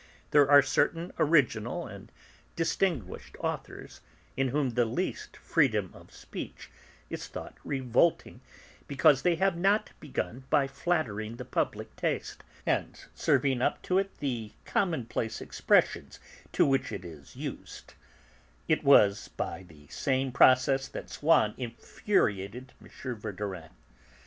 There are certain original and distinguished authors in whom the least 'freedom of speech' is thought revolting because they have not begun by flattering the public taste, and serving up to it the commonplace expressions to which it is used; it was by the same process that Swann infuriated M. Verdurin.